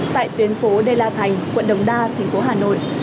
tại tuyến phố đê la thành quận đồng đa thành phố hà nội